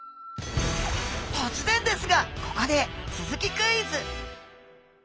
とつぜんですがここでスズキクイズ！